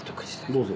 どうぞ。